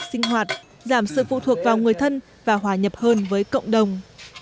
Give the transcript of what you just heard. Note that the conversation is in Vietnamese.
sinh hoạt giảm sự phụ thuộc vào người thân và hòa nhập hơn với cộng đồng